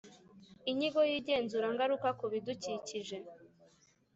Inyigo y’igenzurangaruka ku bidukikije